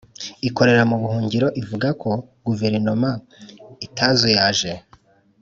ikorera mu buhungiro ivuga ko guverinoma itazuyaje